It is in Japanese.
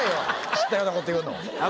知ったような事言うの。